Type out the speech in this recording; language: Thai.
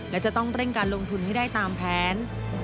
และจะต้องเร่งการลงทุนให้ได้ตามแผน